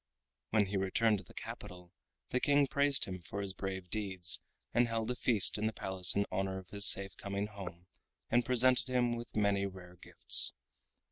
When he returned to the capital the King praised him for his brave deeds, and held a feast in the Palace in honor of his safe coming home and presented him with many rare gifts.